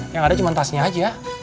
yang ada cuma tasnya aja